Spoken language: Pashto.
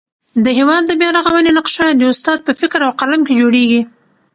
د هېواد د بیارغونې نقشه د استاد په فکر او قلم کي جوړېږي.